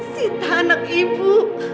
sita anak ibu